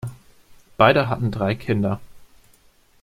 Beide hatten drei Kinder.